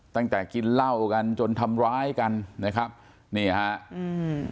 ตั้งแต่กินเหล้ากันจนทำร้ายกันนะครับนี่ฮะอืม